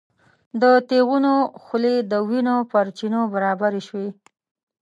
د تیغونو خولې د وینو پر چینو برابرې شوې.